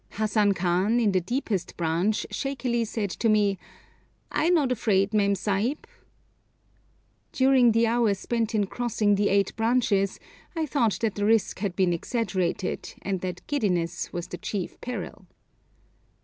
Hassan Khan, in the deepest branch, shakily said to me, 'I not afraid, Mem Sahib.' During the hour spent in crossing the eight branches, I thought that the risk had been exaggerated, and that giddiness was the chief peril.